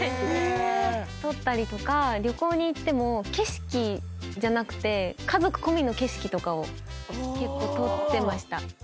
撮ったりとか旅行に行っても景色じゃなくて家族込みの景色とかを結構撮ってました。